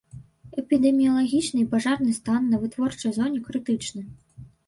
Эпідэміялагічны і пажарны стан на вытворчай зоне крытычны.